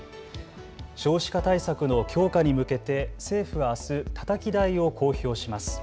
少子化対策の強化に向けて政府はあす、たたき台を公表します。